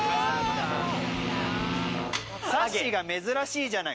さっしーが珍しいんじゃない？